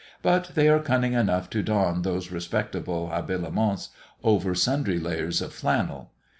But they are cunning enough to don those respectable habiliments over sundry layers of flannel.